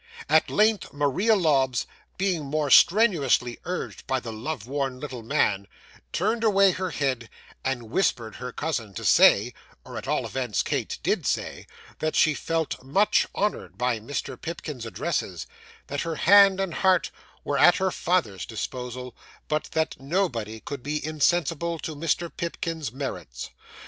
At length, Maria Lobbs being more strenuously urged by the love worn little man, turned away her head, and whispered her cousin to say, or at all events Kate did say, that she felt much honoured by Mr. Pipkin's addresses; that her hand and heart were at her father's disposal; but that nobody could be insensible to Mr. Pipkin's merits.